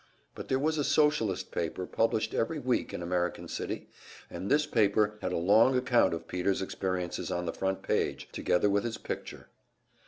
But there was a Socialist paper published every week in American City, and this paper had a long account of Peter's experiences on the front page, together with his picture.